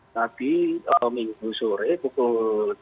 tadi minggu sore pukul delapan belas